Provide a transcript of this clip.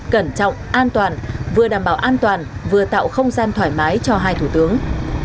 cẩn trọng an toàn vừa đảm bảo an toàn vừa tạo không gian thoải mái cho hai thủ tướng